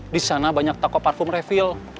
di sana banyak toko parfum review